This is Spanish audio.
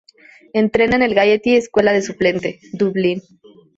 Entrena en el Gaiety Escuela de Suplente, Dublín.